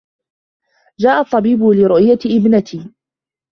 جاء الطّبيب لروؤية ابنتي.